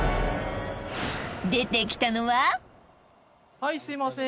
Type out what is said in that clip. はいすいません